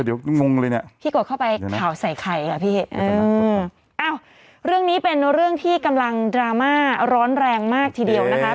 เดี๋ยวงงเลยเนี่ยพี่กดเข้าไปข่าวใส่ไข่ค่ะพี่อ้าวเรื่องนี้เป็นเรื่องที่กำลังดราม่าร้อนแรงมากทีเดียวนะคะ